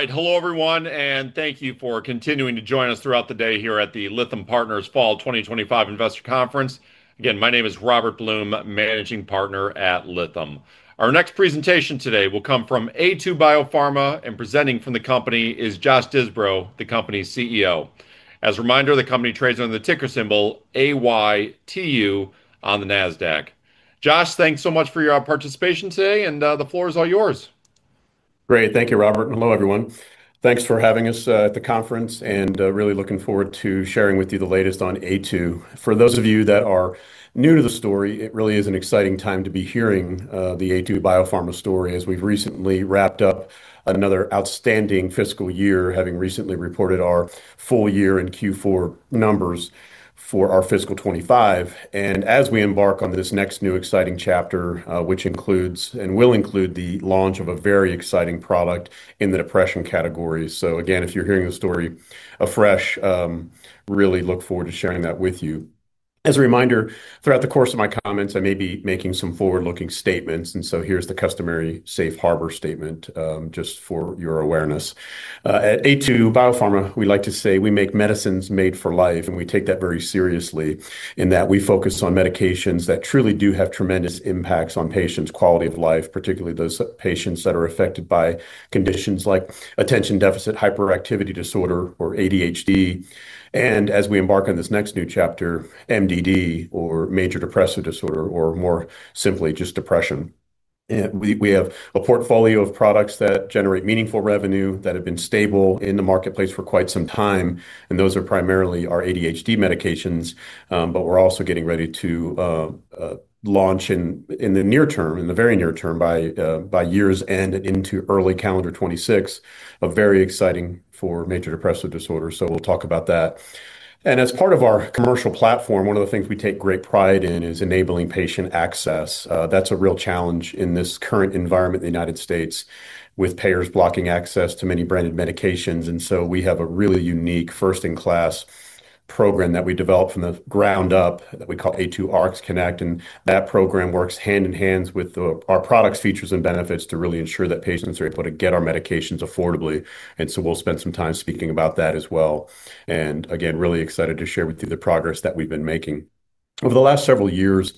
All right, hello everyone, and thank you for continuing to join us throughout the day here at the Lytham Partners Fall 2025 Investor Conference. Again, my name is Robert Blum, Managing Partner at Lytham. Our next presentation today will come from Aytu BioPharma, and presenting from the company is Josh Disbrow, the company's CEO. As a reminder, the company trades under the ticker symbol AYTU on the NASDAQ. Josh, thanks so much for your participation today, and the floor is all yours. Great, thank you, Robert, and hello everyone. Thanks for having us at the conference and really looking forward to sharing with you the latest on Aytu. For those of you that are new to the story, it really is an exciting time to be hearing the Aytu BioPharma story as we've recently wrapped up another outstanding fiscal year, having recently reported our full year and Q4 numbers for our fiscal 2025. As we embark on this next new exciting chapter, which includes and will include the launch of a very exciting product in the depression category, if you're hearing the story afresh, I really look forward to sharing that with you. As a reminder, throughout the course of my comments, I may be making some forward-looking statements, and here's the customary safe harbor statement, just for your awareness. At Aytu BioPharma, we like to say we make medicines made for life, and we take that very seriously in that we focus on medications that truly do have tremendous impacts on patients' quality of life, particularly those patients that are affected by conditions like attention-deficit/hyperactivity disorder, or ADHD. As we embark on this next new chapter, MDD, or major depressive disorder, or more simply just depression. We have a portfolio of products that generate meaningful revenue that have been stable in the marketplace for quite some time, and those are primarily our ADHD medications, but we're also getting ready to launch in the near term, in the very near term, by year's end into early calendar 2026, a very exciting for major depressive disorder. We'll talk about that. As part of our commercial platform, one of the things we take great pride in is enabling patient access. That's a real challenge in this current environment in the United States, with payers blocking access to many branded medications. We have a really unique, first-in-class program that we developed from the ground up that we call Aytu RxConnect, and that program works hand in hand with our products, features, and benefits to really ensure that patients are able to get our medications affordably. We'll spend some time speaking about that as well. Again, really excited to share with you the progress that we've been making. Over the last several years,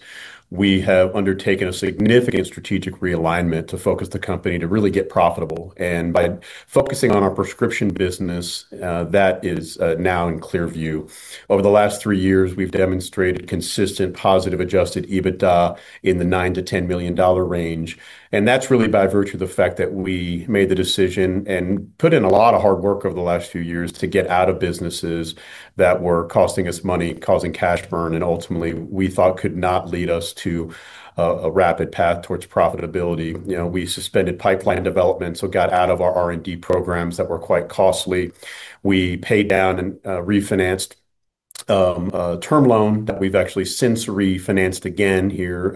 we have undertaken a significant strategic realignment to focus the company to really get profitable. By focusing on our prescription business, that is now in clearview. Over the last three years, we've demonstrated consistent positive adjusted EBITDA in the $9 million-$10 million range. That's really by virtue of the fact that we made the decision and put in a lot of hard work over the last few years to get out of businesses that were costing us money, causing cash burn, and ultimately we thought could not lead us to a rapid path towards profitability. We suspended pipeline development, got out of our R&D programs that were quite costly, and paid down and refinanced a term loan that we've actually since refinanced again here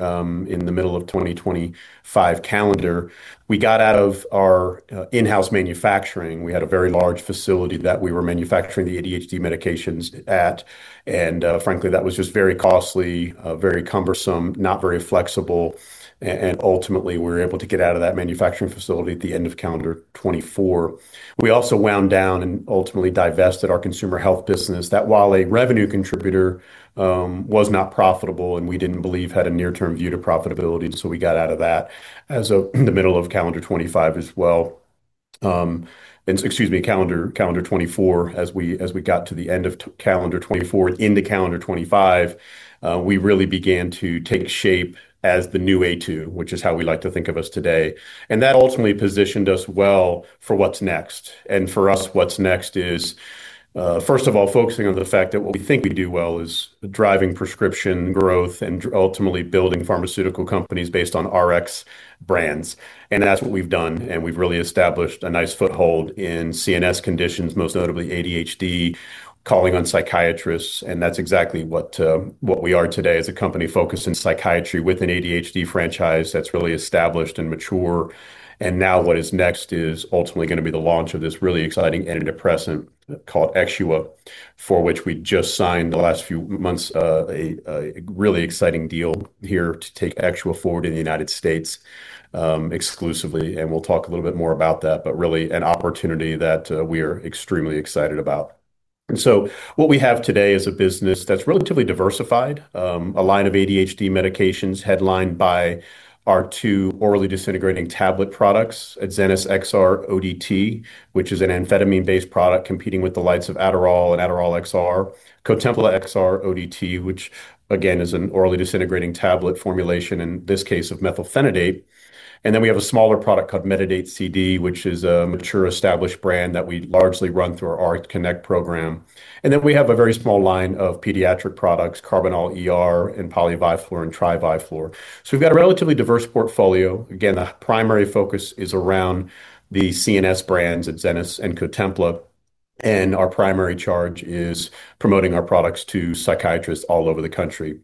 in the middle of the 2025 calendar. We got out of our in-house manufacturing. We had a very large facility that we were manufacturing the ADHD medications at, and frankly, that was just very costly, very cumbersome, not very flexible. Ultimately, we were able to get out of that manufacturing facility at the end of calendar 2024. We also wound down and ultimately divested our consumer health business that, while a revenue contributor, was not profitable and we didn't believe had a near-term view to profitability. We got out of that as of the middle of calendar 2025 as well. As we got to the end of calendar 2024 and into calendar 2025, we really began to take shape as the new Aytu, which is how we like to think of us today. That ultimately positioned us well for what's next. For us, what's next is, first of all, focusing on the fact that what we think we do well is driving prescription growth and ultimately building pharmaceutical companies based on Rx brands. That's what we've done. We've really established a nice foothold in CNS conditions, most notably ADHD, calling on psychiatrists. That's exactly what we are today as a company focused in psychiatry with an ADHD franchise that's really established and mature. What is next is ultimately going to be the launch of this really exciting antidepressant called Exxua, for which we just signed in the last few months a really exciting deal here to take Exxua forward in the United States exclusively. We'll talk a little bit more about that, but really an opportunity that we are extremely excited about. What we have today is a business that's relatively diversified, a line of ADHD medications headlined by our two orally disintegrating tablet products, Adzenys XR-ODT, which is an amphetamine-based product competing with the likes of Adderall and Adderall XR, COTEMPLA XR-ODT, which again is an orally disintegrating tablet formulation, in this case of methylphenidate. We have a smaller product called METADATE CD, which is a mature established brand that we largely run through our [RxConnect] program. We have a very small line of pediatric products, KARBINAL ER and POLY-VI-FLOR and TRI-VI-FLOR. We've got a relatively diverse portfolio. The primary focus is around the CNS brands, Adzenys and CONTEMPLA, and our primary charge is promoting our products to psychiatrists all over the country.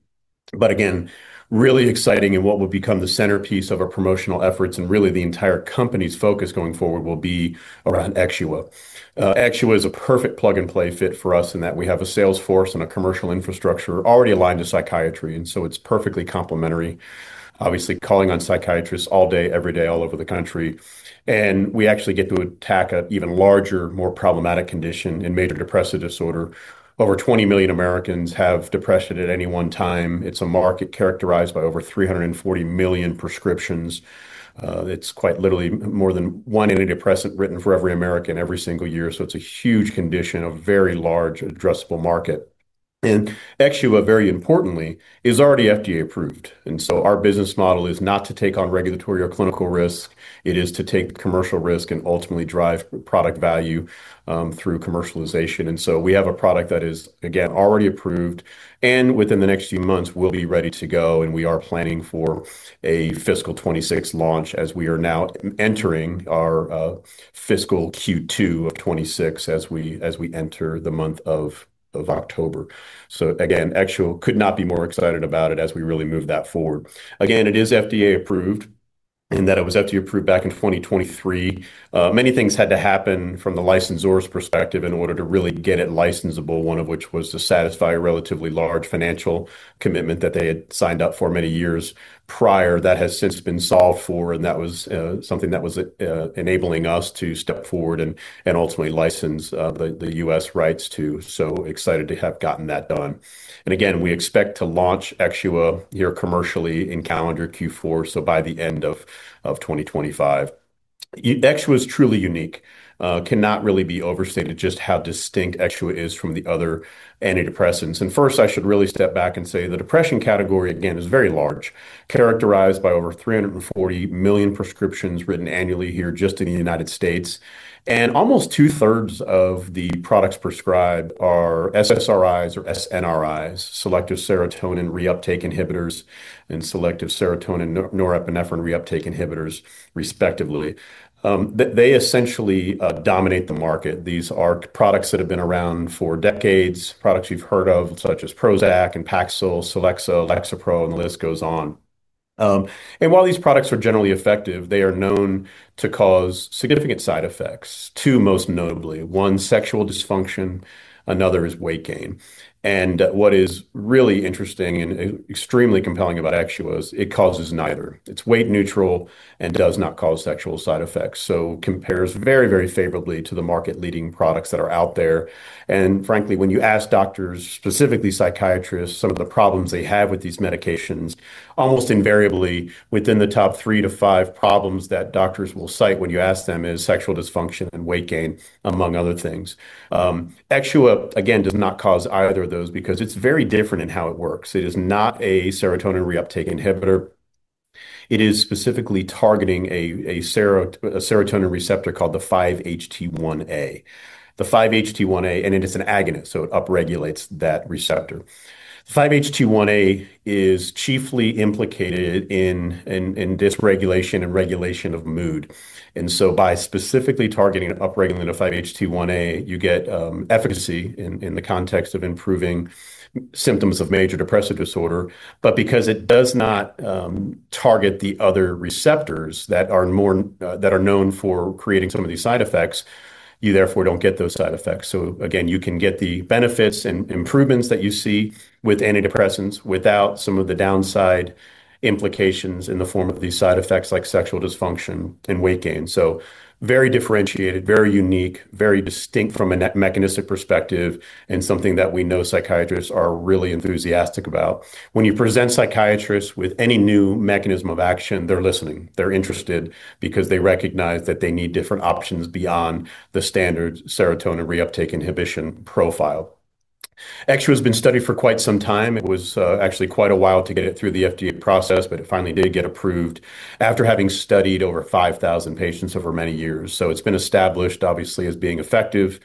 What will become the centerpiece of our promotional efforts and really the entire company's focus going forward will be around Exxua. Exxua is a perfect plug-and-play fit for us in that we have a sales force and a commercial infrastructure already aligned to psychiatry. It's perfectly complementary, obviously calling on psychiatrists all day, every day, all over the country. We actually get to attack an even larger, more problematic condition in major depressive disorder. Over 20 million Americans have depression at any one time. It's a market characterized by over 340 million prescriptions. It's quite literally more than one antidepressant written for every American every single year. It's a huge condition, a very large addressable market. Exxua, very importantly, is already FDA approved. Our business model is not to take on regulatory or clinical risk. It is to take commercial risk and ultimately drive product value through commercialization. We have a product that is, again, already approved. Within the next few months, we'll be ready to go. We are planning for a fiscal 2026 launch as we are now entering our fiscal Q2 of 2026 as we enter the month of October. Exxua could not be more exciting as we really move that forward. It is FDA approved in that it was FDA approved back in 2023. Many things had to happen from the licensor's perspective in order to really get it licensable, one of which was to satisfy a relatively large financial commitment that they had signed up for many years prior that has since been solved for. That was something that was enabling us to step forward and ultimately license the U.S. rights too. Excited to have gotten that done. Again, we expect to launch Exxua here commercially in calendar Q4. By the end of 2025, Exxua is truly unique. It cannot really be overstated just how distinct Exxua is from the other antidepressants. First, I should really step back and say the depression category, again, is very large, characterized by over 340 million prescriptions written annually here just in the United States. Almost two-thirds of the products prescribed are SSRIs or SNRIs, selective serotonin reuptake inhibitors, and selective serotonin norepinephrine reuptake inhibitors, respectively. They essentially dominate the market. These are products that have been around for decades, products you've heard of such as Prozac and Paxil, Celexa, Lexapro, and the list goes on. While these products are generally effective, they are known to cause significant side effects, two most notably: one, sexual dysfunction; another is weight gain. What is really interesting and extremely compelling about Exxua is it causes neither. It's weight neutral and does not cause sexual side effects. It compares very, very favorably to the market-leading products that are out there. Frankly, when you ask doctors, specifically psychiatrists, some of the problems they have with these medications, almost invariably within the top three to five problems that doctors will cite when you ask them is sexual dysfunction and weight gain, among other things. Exxua, again, did not cause either of those because it's very different in how it works. It is not a serotonin reuptake inhibitor. It is specifically targeting a serotonin receptor called the 5-HT1A. The 5-HT1A, and it is an agonist, so it upregulates that receptor. 5-HT1A is chiefly implicated in dysregulation and regulation of mood. By specifically targeting upregulating the 5-HT1A, you get efficacy in the context of improving symptoms of major depressive disorder. Because it does not target the other receptors that are known for creating some of these side effects, you therefore don't get those side effects. You can get the benefits and improvements that you see with antidepressants without some of the downside implications in the form of these side effects like sexual dysfunction and weight gain. Very differentiated, very unique, very distinct from a mechanistic perspective, and something that we know psychiatrists are really enthusiastic about. When you present psychiatrists with any new mechanism of action, they're listening. They're interested because they recognize that they need different options beyond the standard serotonin reuptake inhibition profile. Exxua has been studied for quite some time. It was actually quite a while to get it through the FDA process, but it finally did get approved after having studied over 5,000 patients over many years. It's been established, obviously, as being effective.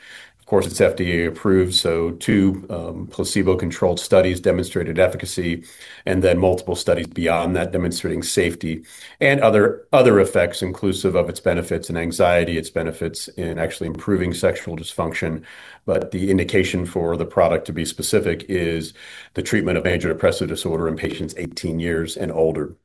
Of course, it's FDA approved. Two placebo-controlled studies demonstrated efficacy, and then multiple studies beyond that demonstrating safety and other effects, inclusive of its benefits in anxiety, its benefits in actually improving sexual dysfunction. The indication for the product, to be specific, is the treatment of major depressive disorder in patients 18 years and older.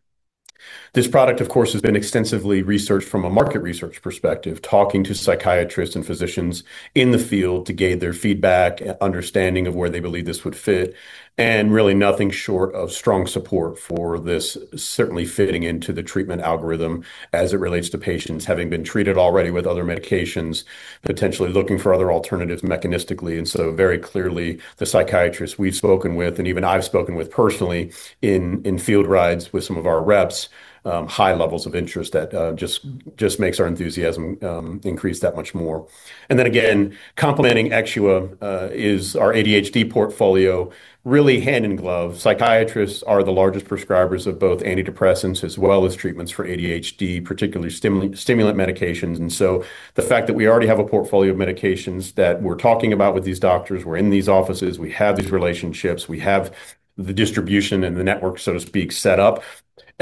This product, of course, has been extensively researched from a market research perspective, talking to psychiatrists and physicians in the field to gather their feedback and understanding of where they believe this would fit. Really nothing short of strong support for this certainly fitting into the treatment algorithm as it relates to patients having been treated already with other medications, potentially looking for other alternatives mechanistically. Very clearly, the psychiatrists we've spoken with, and even I've spoken with personally in field rides with some of our reps, high levels of interest that just makes our enthusiasm increase that much more. Then again, complementing Exxua is our ADHD portfolio, really hand in glove. Psychiatrists are the largest prescribers of both antidepressants as well as treatments for ADHD, particularly stimulant medications. The fact that we already have a portfolio of medications that we're talking about with these doctors, we're in these offices, we have these relationships, we have the distribution and the network, so to speak, set up.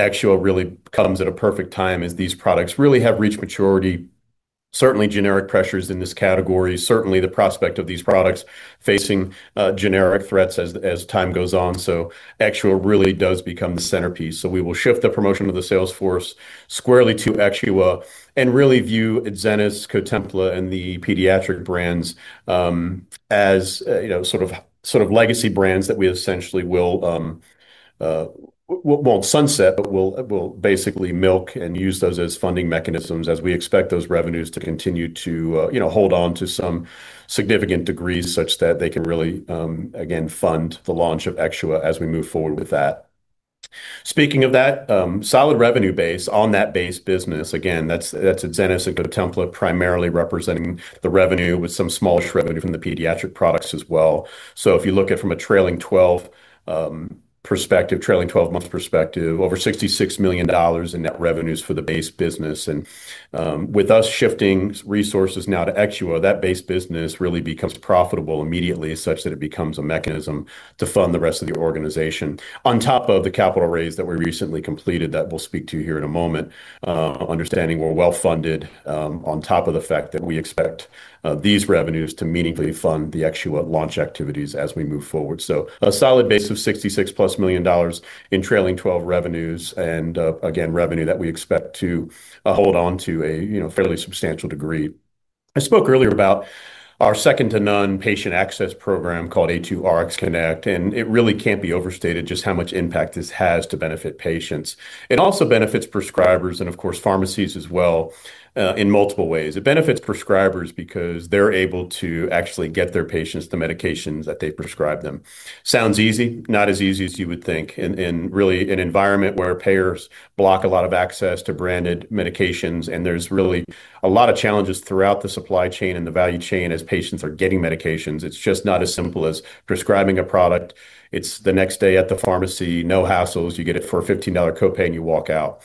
Exxua really comes at a perfect time as these products really have reached maturity. Certainly, generic pressures in this category, certainly the prospect of these products facing generic threats as time goes on. Exxua really does become the centerpiece. We will shift the promotion of the sales force squarely to Exxua and really view Adzenys, COTEMPLA, and the pediatric brands as sort of legacy brands that we essentially will not sunset, but will basically milk and use those as funding mechanisms as we expect those revenues to continue to hold on to some significant degrees such that they can really, again, fund the launch of Exxua as we move forward with that. Speaking of that, solid revenue base on that base business, again, that's Adzenys and COTEMPLA primarily representing the revenue with some smallish revenue from the pediatric products as well. If you look at it from a trailing 12 months perspective, over $66 million in net revenues for the base business. With us shifting resources now to Exxua, that base business really becomes profitable immediately such that it becomes a mechanism to fund the rest of the organization. On top of the capital raise that we recently completed that we'll speak to here in a moment, understanding we're well funded on top of the fact that we expect these revenues to meaningfully fund the Exxua launch activities as we move forward. A solid base of $66+ million in trailing 12 revenues and again, revenue that we expect to hold on to a fairly substantial degree. I spoke earlier about our second-to-none patient access program called Aytu RxConnect, and it really can't be overstated just how much impact this has to benefit patients. It also benefits prescribers and of course pharmacies as well in multiple ways. It benefits prescribers because they're able to actually get their patients the medications that they prescribe them. Sounds easy, not as easy as you would think. In an environment where payers block a lot of access to branded medications, and there's really a lot of challenges throughout the supply chain and the value chain as patients are getting medications. It's just not as simple as prescribing a product. It's the next day at the pharmacy, no hassles. You get it for a $15 copay and you walk out.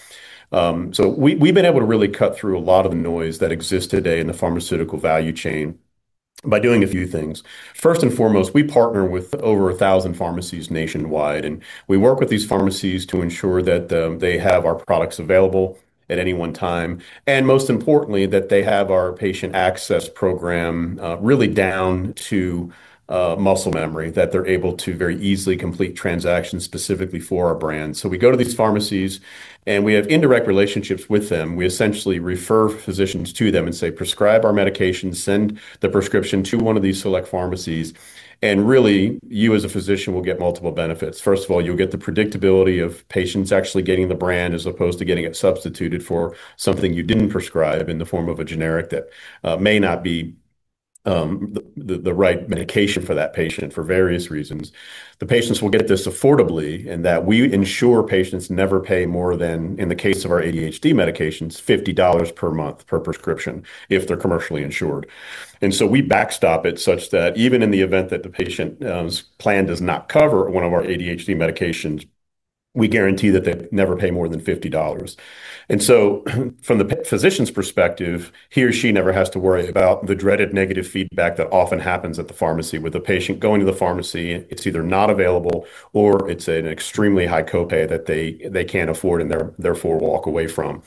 We've been able to really cut through a lot of the noise that exists today in the pharmaceutical value chain by doing a few things. First and foremost, we partner with over a thousand pharmacies nationwide, and we work with these pharmacies to ensure that they have our products available at any one time. Most importantly, they have our patient access program really down to muscle memory, that they're able to very easily complete transactions specifically for our brand. We go to these pharmacies and we have indirect relationships with them. We essentially refer physicians to them and say, "Prescribe our medication, send the prescription to one of these select pharmacies." You as a physician will get multiple benefits. First of all, you'll get the predictability of patients actually getting the brand as opposed to getting it substituted for something you didn't prescribe in the form of a generic that may not be the right medication for that patient for various reasons. The patients will get this affordably in that we ensure patients never pay more than, in the case of our ADHD medications, $50 per month per prescription if they're commercially insured. We backstop it such that even in the event that the patient's plan does not cover one of our ADHD medications, we guarantee that they never pay more than $50. From the physician's perspective, he or she never has to worry about the dreaded negative feedback that often happens at the pharmacy with the patient going to the pharmacy. It's either not available or it's an extremely high copay that they can't afford and therefore walk away from.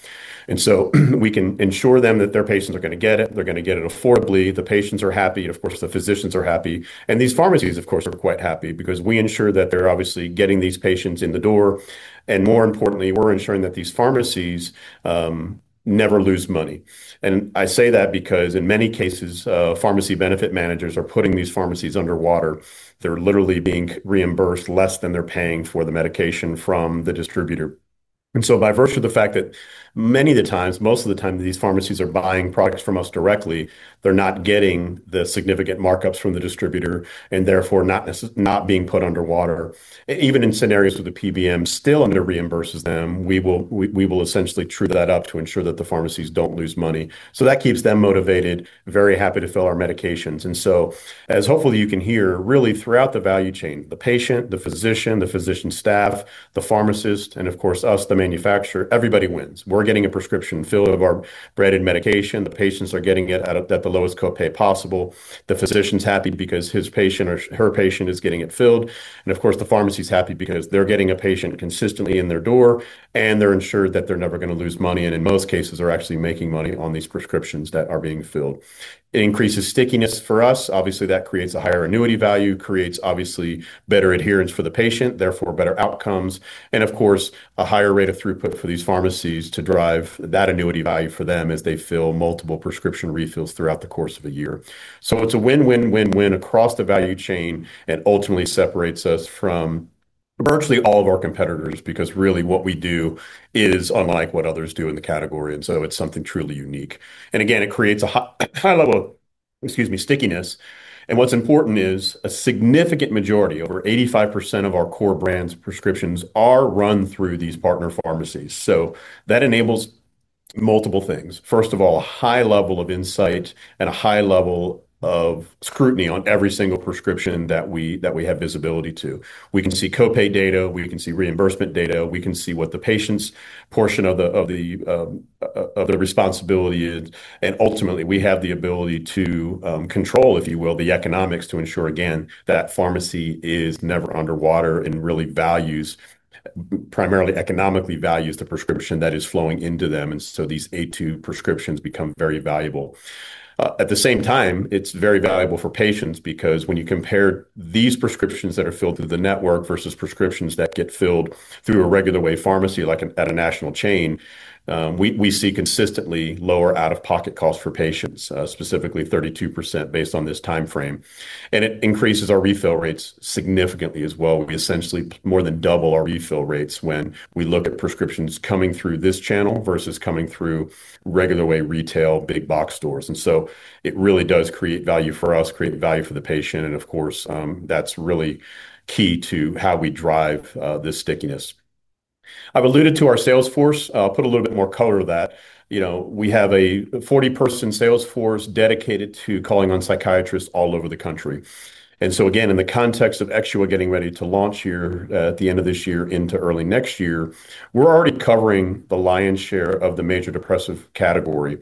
We can ensure them that their patients are going to get it. They're going to get it affordably. The patients are happy. The physicians are happy. These pharmacies, of course, are quite happy because we ensure that they're obviously getting these patients in the door. More importantly, we're ensuring that these pharmacies never lose money. I say that because in many cases, pharmacy benefit managers are putting these pharmacies underwater. They're literally being reimbursed less than they're paying for the medication from the distributor. By virtue of the fact that many of the times, most of the time these pharmacies are buying products from us directly, they're not getting the significant markups from the distributor and therefore not being put underwater. Even in scenarios with the PBM, still I'm going to reimburse them. We will essentially true that up to ensure that the pharmacies don't lose money. That keeps them motivated, very happy to fill our medications. As hopefully you can hear, really throughout the value chain, the patient, the physician, the physician staff, the pharmacist, and of course us, the manufacturer, everybody wins. We're getting a prescription filled of our branded medication. The patients are getting it at the lowest copay possible. The physician's happy because his patient or her patient is getting it filled. Of course, the pharmacy's happy because they're getting a patient consistently in their door and they're ensured that they're never going to lose money. In most cases, they're actually making money on these prescriptions that are being filled. It increases stickiness for us. Obviously, that creates a higher annuity value, creates obviously better adherence for the patient, therefore better outcomes. Of course, a higher rate of throughput for these pharmacies drives that annuity value for them as they fill multiple prescription refills throughout the course of a year. It's a win-win, win-win across the value chain and ultimately separates us from virtually all of our competitors because really what we do is unlike what others do in the category. It's something truly unique. It creates a high level of stickiness. What's important is a significant majority, over 85% of our core brand's prescriptions are run through these partner pharmacies. That enables multiple things. First of all, a high level of insight and a high level of scrutiny on every single prescription that we have visibility to. We can see copay data, we can see reimbursement data, we can see what the patient's portion of the responsibility is. Ultimately, we have the ability to control, if you will, the economics to ensure, again, that pharmacy is never underwater and really values, primarily economically values the prescription that is flowing into them. These A2 prescriptions become very valuable. At the same time, it's very valuable for patients because when you compare these prescriptions that are filled through the network versus prescriptions that get filled through a regular way pharmacy, like at a national chain, we see consistently lower out-of-pocket costs for patients, specifically 32% based on this timeframe. It increases our refill rates significantly as well. We essentially more than double our refill rates when we look at prescriptions coming through this channel versus coming through regular way retail big box stores. It really does create value for us, create value for the patient. Of course, that's really key to how we drive this stickiness. I've alluded to our sales force. I'll put a little bit more color to that. We have a 40-person sales force dedicated to calling on psychiatrists all over the country. In the context of Exxua getting ready to launch here at the end of this year into early next year, we're already covering the lion's share of the major depressive category.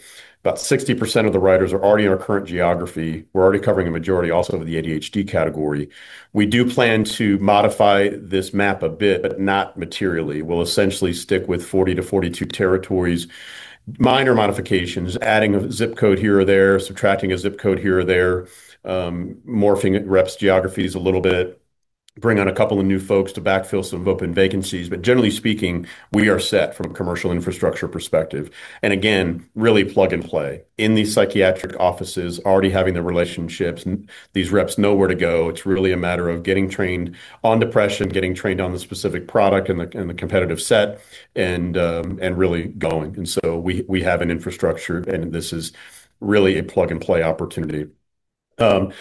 About 60% of the writers are already in our current geography. We're already covering a majority also of the ADHD category. We do plan to modify this map a bit, but not materially. We'll essentially stick with 40-42 territories, minor modifications, adding a zip code here or there, subtracting a zip code here or there, morphing reps' geographies a little bit, bring on a couple of new folks to backfill some open vacancies. Generally speaking, we are set from a commercial infrastructure perspective. Again, really plug and play. In these psychiatric offices, already having the relationships, these reps know where to go. It's really a matter of getting trained on depression, getting trained on the specific product and the competitive set, and really going. We have an infrastructure, and this is really a plug and play opportunity. I'll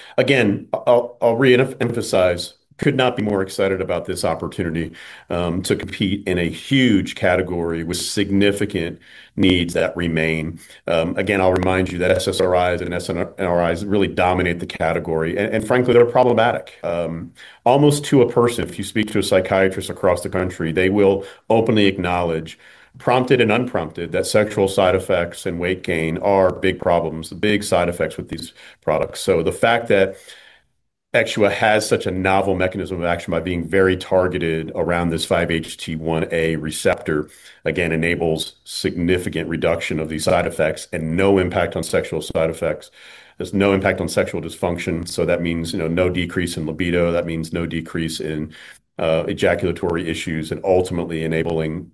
re-emphasize, could not be more excited about this opportunity to compete in a huge category with significant needs that remain. I'll remind you that SSRIs and SNRIs really dominate the category. Frankly, they're problematic. Almost to a person, if you speak to a psychiatrist across the country, they will openly acknowledge, prompted and unprompted, that sexual side effects and weight gain are big problems, the big side effects with these products. The fact that Exxua has such a novel mechanism of action by being very targeted around this 5-HT1A receptor, again, enables significant reduction of these side effects and no impact on sexual side effects. There's no impact on sexual dysfunction. That means no decrease in libido. That means no decrease in ejaculatory issues and ultimately enabling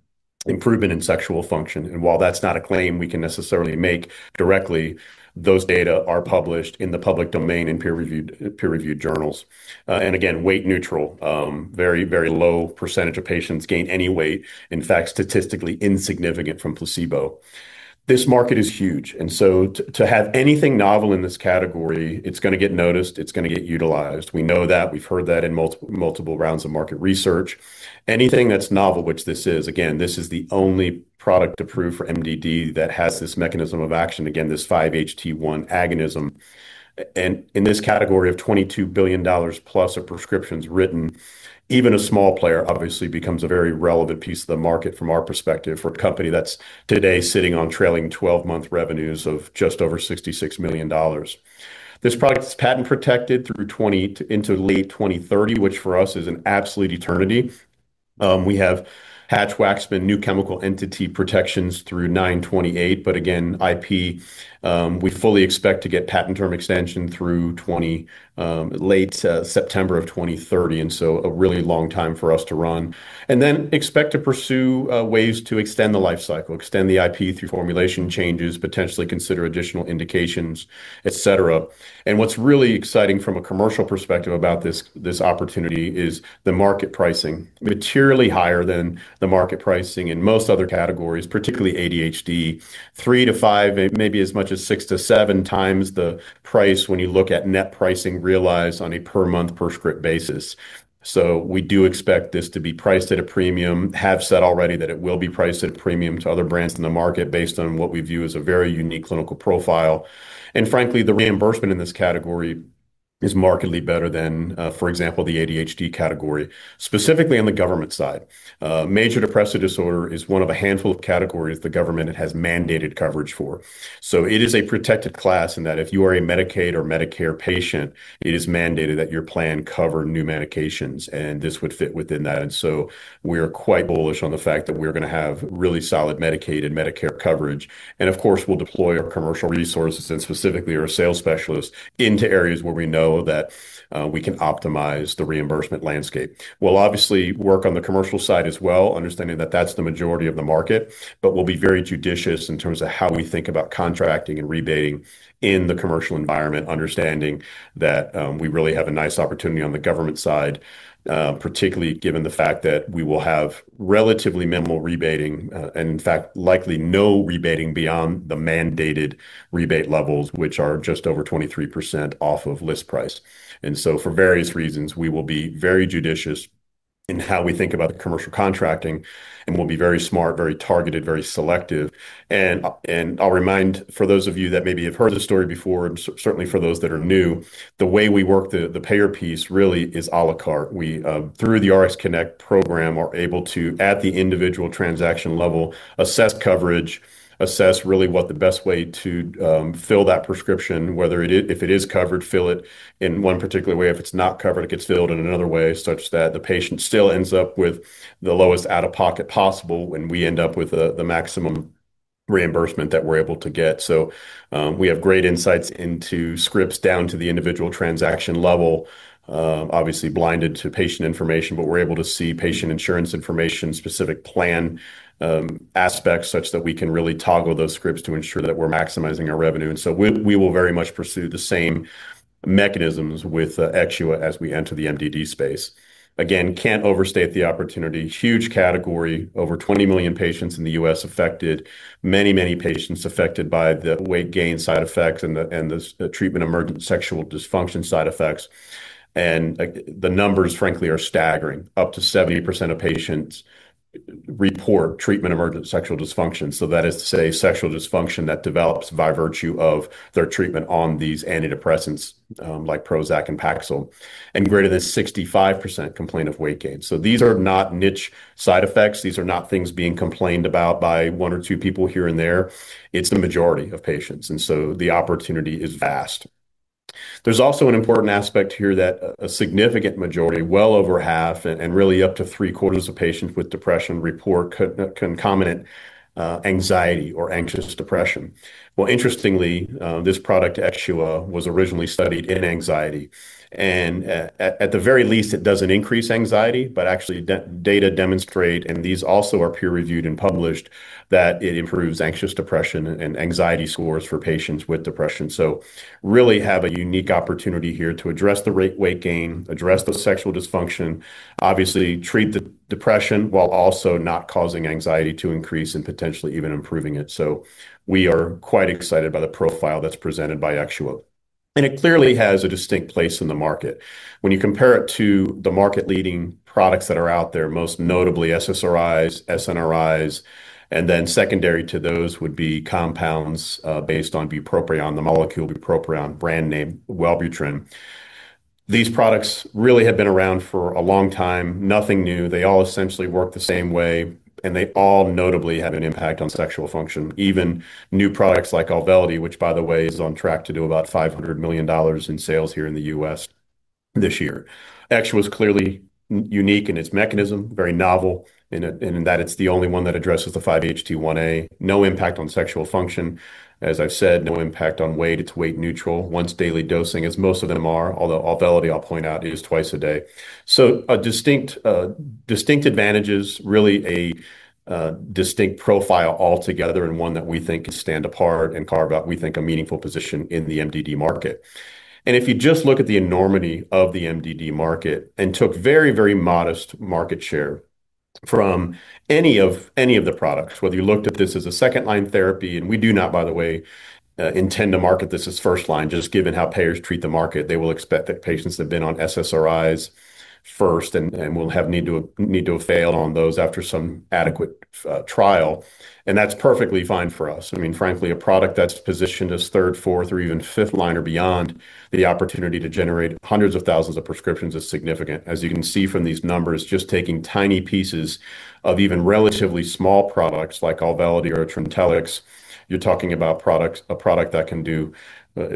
improvement in sexual function. While that's not a claim we can necessarily make directly, those data are published in the public domain in peer-reviewed journals. Again, weight neutral, very, very low percentage of patients gain any weight. In fact, statistically insignificant from placebo. This market is huge. To have anything novel in this category, it's going to get noticed. It's going to get utilized. We know that. We've heard that in multiple rounds of market research. Anything that's novel, which this is, again, this is the only product approved for major depressive disorder that has this mechanism of action. Again, this 5-HT1A receptor agonism. In this category of $22+ billion of prescriptions written, even a small player obviously becomes a very relevant piece of the market from our perspective for a company that's today sitting on trailing 12-month revenues of just over $66 million. This product is patent protected through late 2030, which for us is an absolute eternity. We have Hatch-Waxman new chemical entity protections through 9/2028. IP, we fully expect to get patent term extension through late September of 2030. A really long time for us to run. We expect to pursue ways to extend the lifecycle, extend the intellectual property protection through formulation changes, potentially consider additional indications, et cetera. What's really exciting from a commercial perspective about this opportunity is the market pricing. Materially higher than the market pricing in most other categories, particularly ADHD. Three to five, maybe as much as six to seven times the price when you look at net pricing realized on a per month per script basis. We do expect this to be priced at a premium. Have said already that it will be priced at a premium to other brands in the market based on what we view as a very unique clinical profile. Frankly, the reimbursement in this category is markedly better than, for example, the ADHD category, specifically on the government side. Major depressive disorder is one of a handful of categories the government has mandated coverage for. It is a protected class in that if you are a Medicaid or Medicare patient, it is mandated that your plan cover new medications, and this would fit within that. We are quite bullish on the fact that we are going to have really solid Medicaid and Medicare coverage. Of course, we'll deploy our commercial resources and specifically our sales specialists into areas where we know that we can optimize the reimbursement landscape. We'll obviously work on the commercial side as well, understanding that that's the majority of the market, but we'll be very judicious in terms of how we think about contracting and rebating in the commercial environment, understanding that we really have a nice opportunity on the government side, particularly given the fact that we will have relatively minimal rebating and in fact, likely no rebating beyond the mandated rebate levels, which are just over 23% off of list price. For various reasons, we will be very judicious in how we think about the commercial contracting, and we'll be very smart, very targeted, very selective. I'll remind for those of you that maybe have heard the story before, and certainly for those that are new, the way we work the payer piece really is a la carte. We, through the Aytu RxConnect program, are able to, at the individual transaction level, assess coverage, assess really what the best way to fill that prescription, whether it is covered, fill it in one particular way. If it's not covered, it gets filled in another way such that the patient still ends up with the lowest out-of-pocket possible when we end up with the maximum reimbursement that we're able to get. We have great insights into scripts down to the individual transaction level, obviously blinded to patient information, but we're able to see patient insurance information, specific plan aspects such that we can really toggle those scripts to ensure that we're maximizing our revenue. We will very much pursue the same mechanisms with Exxua as we enter the MDD space. Again, can't overstate the opportunity. Huge category, over 20 million patients in the U.S. affected, many, many patients affected by the weight gain side effects and the treatment emergent sexual dysfunction side effects. The numbers, frankly, are staggering. Up to 70% of patients report treatment emergent sexual dysfunction. That is to say sexual dysfunction that develops by virtue of their treatment on these antidepressants like Prozac and Paxil. Greater than 65% complain of weight gain. These are not niche side effects. These are not things being complained about by one or two people here and there. It's the majority of patients. The opportunity is vast. There's also an important aspect here that a significant majority, well over half, and really up to three quarters of patients with depression report concomitant anxiety or anxious depression. Interestingly, this product, Exxua, was originally studied in anxiety. At the very least, it doesn't increase anxiety, but actually data demonstrate, and these also are peer-reviewed and published, that it improves anxious depression and anxiety scores for patients with depression. There is a unique opportunity here to address the weight gain, address the sexual dysfunction, obviously treat the depression while also not causing anxiety to increase and potentially even improving it. We are quite excited by the profile that's presented by Exxua, and it clearly has a distinct place in the market. When you compare it to the market-leading products that are out there, most notably SSRIs, SNRIs, and then secondary to those would be compounds based on bupropion, the molecule bupropion, brand name Wellbutrin, these products really have been around for a long time, nothing new. They all essentially work the same way, and they all notably have an impact on sexual function. Even new products like AUVELITY, which by the way is on track to do about $500 million in sales here in the U.S. this year, Exxua is clearly unique in its mechanism, very novel, and in that it's the only one that addresses the 5-HT1A. No impact on sexual function. As I've said, no impact on weight. It's weight neutral, once daily dosing, as most of them are, although AUVELITY, I'll point out, is twice a day. Distinct advantages, really a distinct profile altogether, and one that we think can stand apart and carve out, we think, a meaningful position in the MDD market. If you just look at the enormity of the MDD market and took very, very modest market share from any of the products, whether you looked at this as a second-line therapy, and we do not, by the way, intend to market this as first-line, just given how payers treat the market. They will expect that patients have been on SSRIs first and will need to have failed on those after some adequate trial, and that's perfectly fine for us. Frankly, a product that's positioned as third, fourth, or even fifth line or beyond, the opportunity to generate hundreds of thousands of prescriptions is significant. As you can see from these numbers, just taking tiny pieces of even relatively small products like AUVELITY or TRINTELLIX, you're talking about a product that can do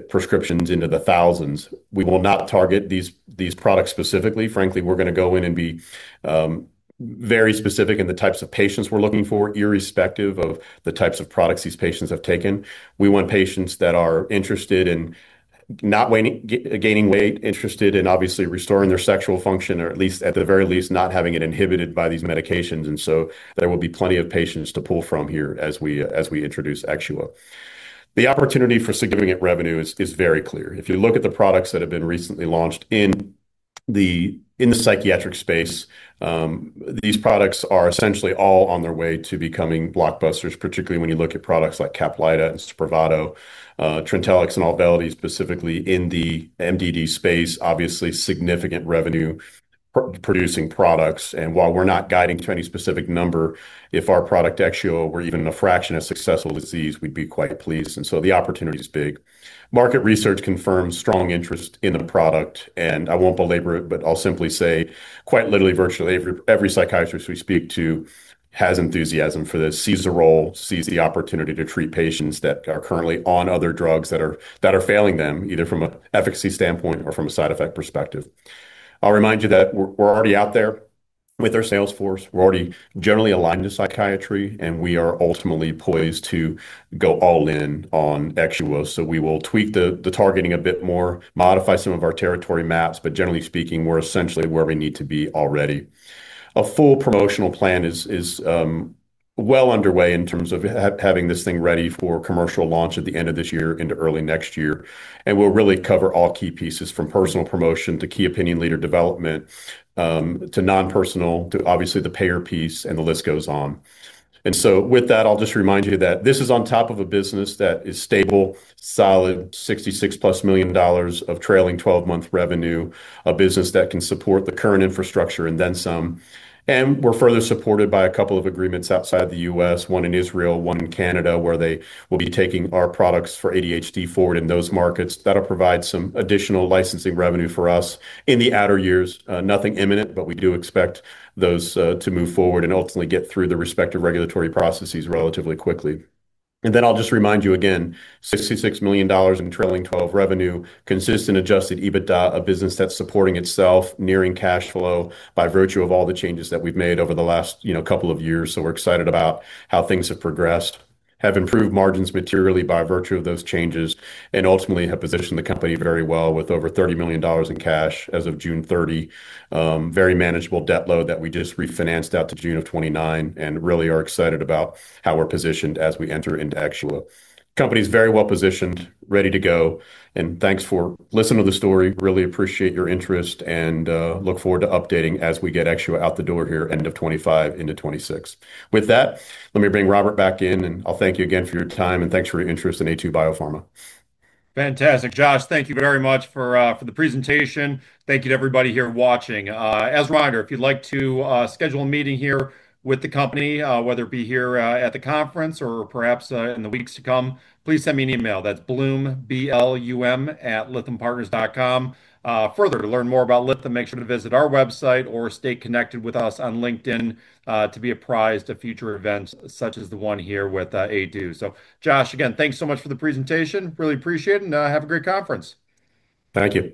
prescriptions into the thousands. We will not target these products specifically. Frankly, we're going to go in and be very specific in the types of patients we're looking for, irrespective of the types of products these patients have taken. We want patients that are interested in not gaining weight, interested in obviously restoring their sexual function, or at the very least not having it inhibited by these medications. There will be plenty of patients to pull from here as we introduce Exxua. The opportunity for significant revenue is very clear. If you look at the products that have been recently launched in the psychiatric space, these products are essentially all on their way to becoming blockbusters, particularly when you look at products like CAPLYTA and SPRAVATO, TRINTELLIX, and AUVELITY specifically in the MDD space, obviously significant revenue-producing products. While we're not guiding to any specific number, if our product Exxua were even a fraction as successful as these, we'd be quite pleased. The opportunity is big. Market research confirms strong interest in the product. I won't belabor it, but I'll simply say quite literally, virtually every psychiatrist we speak to has enthusiasm for this, sees the role, sees the opportunity to treat patients that are currently on other drugs that are failing them, either from an efficacy standpoint or from a side effect perspective. I'll remind you that we're already out there with our sales force. We're already generally aligned to psychiatry, and we are ultimately poised to go all in on Exxua. We will tweak the targeting a bit more, modify some of our territory maps, but generally speaking, we're essentially where we need to be already. A full promotional plan is well underway in terms of having this thing ready for commercial launch at the end of this year into early next year. We'll really cover all key pieces from personal promotion to key opinion leader development, to non-personal, to obviously the payer piece, and the list goes on. With that, I'll just remind you that this is on top of a business that is stable, solid, $66+ million of trailing 12-month revenue, a business that can support the current infrastructure and then some. We're further supported by a couple of agreements outside the U.S., one in Israel, one in Canada, where they will be taking our products for ADHD forward in those markets. That'll provide some additional licensing revenue for us in the outer years. Nothing imminent, but we do expect those to move forward and ultimately get through the respective regulatory processes relatively quickly. I'll just remind you again, $66 million in trailing 12 revenue, consistent adjusted EBITDA, a business that's supporting itself, nearing cash flow by virtue of all the changes that we've made over the last couple of years. We're excited about how things have progressed, have improved margins materially by virtue of those changes, and ultimately have positioned the company very well with over $30 million in cash as of June 30. Very manageable debt load that we just refinanced out to June of 2029 and really are excited about how we're positioned as we enter into Exxua. Company's very well positioned, ready to go. Thanks for listening to the story. Really appreciate your interest and look forward to updating as we get Exxua out the door here end of 2025 into 2026. With that, let me bring Robert back in and I'll thank you again for your time and thanks for your interest in Aytu BioPharma. Fantastic, Josh. Thank you very much for the presentation. Thank you to everybody here watching. As a reminder, if you'd like to schedule a meeting here with the company, whether it be here at the conference or perhaps in the weeks to come, please send me an email. That's blum@lythampartners.com. Further, to learn more about Lytham Partners, make sure to visit our website or stay connected with us on LinkedIn to be apprised of future events such as the one here with Aytu. Josh, again, thanks so much for the presentation. Really appreciate it and have a great conference. Thank you.